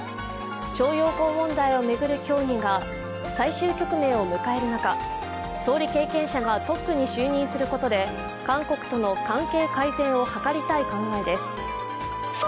徴用工問題を巡る協議が最終局面を迎える中、総理経験者がトップに就任することで韓国との関係改善を図りたい考えです。